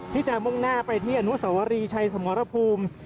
ที่จะมุ่งหน้าไปที่อนุสวรีชัยสมรภูมิ